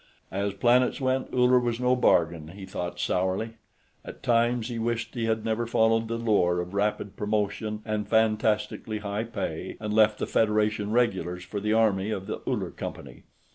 As planets went, Uller was no bargain, he thought sourly. At times, he wished he had never followed the lure of rapid promotion and fantastically high pay and left the Federation regulars for the army of the Uller Company.